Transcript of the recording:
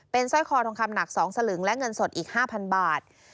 สร้อยคอทองคำหนัก๒สลึงและเงินสดอีก๕๐๐บาท